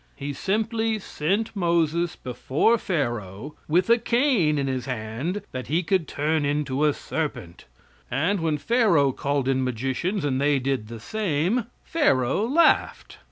He simply sent Moses before Pharaoh with a cane in his hand that he could turn into a serpent; and, when Pharaoh called in magicians and they did the same, Pharaoh laughed.